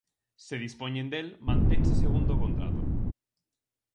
Se dispoñen del mantense segundo o contrato.